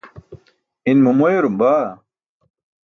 Inmo moyarum baa.